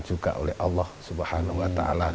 semoga diberi kemudahan juga oleh allah swt